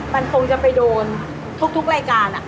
มันคงจะไปโดนทุกรายการ